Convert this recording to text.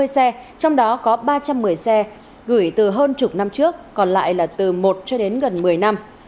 hai mươi xe trong đó có ba trăm một mươi xe gửi từ hơn chục năm trước còn lại là từ một cho đến gần một mươi năm